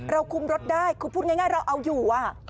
คุมรถได้คือพูดง่ายเราเอาอยู่